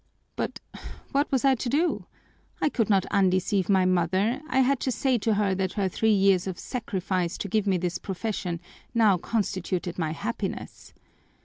But what was I to do? I could not undeceive my mother, I had to say to her that her three years of sacrifice to give me this profession now constituted my happiness.